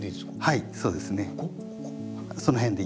はい。